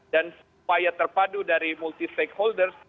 dan upaya terpadu dari multi stakeholders